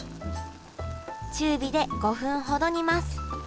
中火で５分ほど煮ます